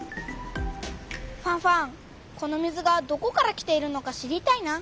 ファンファンこの水がどこから来ているのか知りたいな。